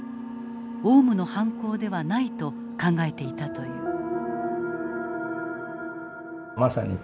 オウムの犯行ではないと考えていたという。